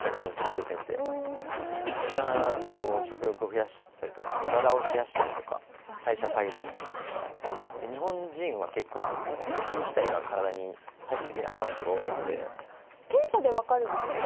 グルテンってこう食欲を増やしちゃったりとか体を冷やしたりとか代謝下げちゃったりとか日本人は結構小麦自体が体に体質的に合わない人が多いんで検査で分かるんだよね